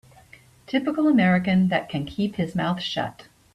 Typical American that can keep his mouth shut.